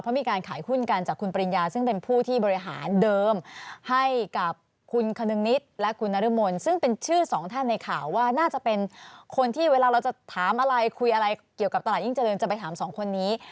เพราะมีการขายหุ้นกันจากคุณปริญญาซึ่งเป็นผู้ที่บริหารเดิมให้กับคุณคนึงนิดและคุณนรมนซึ่งเป็นชื่อสองท่านในข่าวว่าน่าจะเป็นคนที่เวลาเราจะถามอะไรคุยอะไรเกี่ยวกับตลาดยิ่งเจริญจะไปถามสองคนนี้